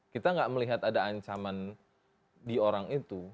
kita nggak melihat ada ancaman di orang itu